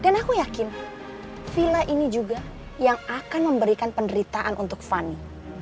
dan aku yakin villa ini juga yang akan memberikan penderitaan untuk fani